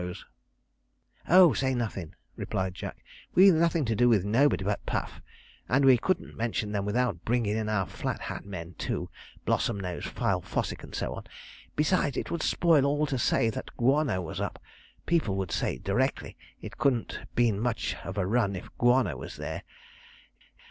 SPONGE WRITE AN ARTICLE FOR THE SWILLINGFORD PAPER] 'Oh, say nothin',' replied Jack; 'we've nothin' to do with nobody but Puff, and we couldn't mention them without bringin' in our Flat Hat men too Blossomnose, Fyle, Fossick, and so on. Besides, it would spoil all to say that Guano was up people would say directly it couldn't have been much of a run if Guano was there.